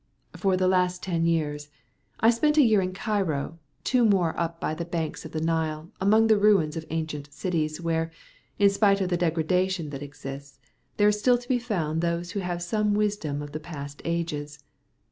"For the last ten years. I spent a year in Cairo, two more up by the banks of the Nile, among the ruins of ancient cities, where, in spite of the degradation that exists, there is still to be found those who have some of the wisdom of past ages.